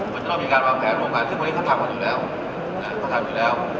มันจะต้องมีการปราบแผลโรงพยาบาลซึ่งพะนี่เขาทำกันอยู่แล้ว